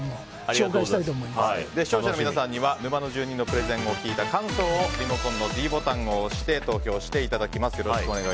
視聴者の皆さんには沼の住民のプレゼンを聞いた感想をリモコンのｄボタンを押して投票していただきます。